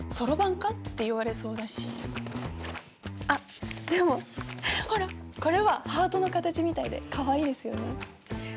あっでもほらこれはハートの形みたいでかわいいですよね。